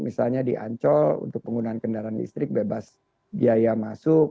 misalnya di ancol untuk penggunaan kendaraan listrik bebas biaya masuk